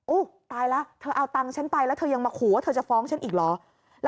ตายแล้วเธอเอาตังค์ฉันไปแล้วเธอยังมาขู่ว่าเธอจะฟ้องฉันอีกเหรอ